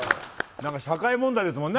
社会問題ですもんね